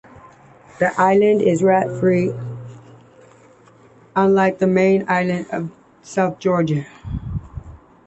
The island is rat-free, unlike the main island of South Georgia.